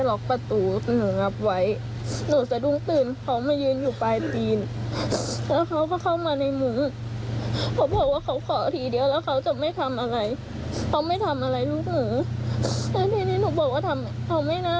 และทีนี้หนูบอกว่าทำไม่ได้